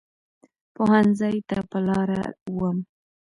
پوهنځۍ ته په لاره وم.